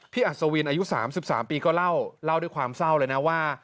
อัศวินอายุ๓๓ปีก็เล่าเล่าด้วยความเศร้าเลยนะว่า